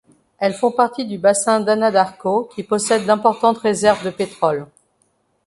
Elles font partie du bassin d'Anadarko qui possède d'importantes réserves de pétrole.